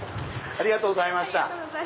ありがとうございます。